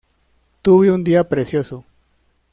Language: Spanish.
Tuve un día precioso.